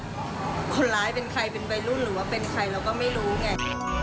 หรือว่าเป็นใครเราก็ไม่รู้ไง